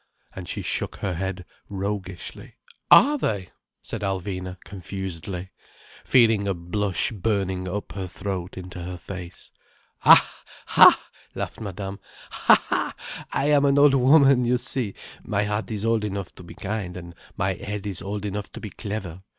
And she shook her head roguishly. "Are they!" said Alvina confusedly, feeling a blush burning up her throat into her face. "Ha—ha!" laughed Madame. "Ha ha! I am an old woman, you see. My heart is old enough to be kind, and my head is old enough to be clever.